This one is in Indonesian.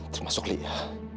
termasuk li ya